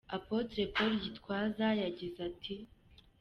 Apotre Paul Gitwaza yagize ati: .